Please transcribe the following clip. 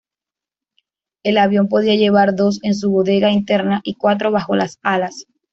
El avión podía llevar dos en su bodega interna y cuatro bajo las alas.